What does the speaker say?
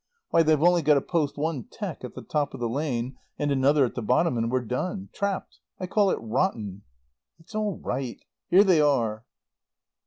Why, they've only got to post one 'tee at the top of the lane, and another at the bottom, and we're done. Trapped. I call it rotten." "It's all right. Here they are."